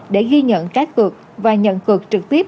để ghi nhận các cược và nhận cược trực tiếp